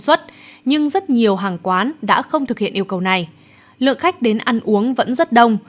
xuất nhưng rất nhiều hàng quán đã không thực hiện yêu cầu này lượng khách đến ăn uống vẫn rất đông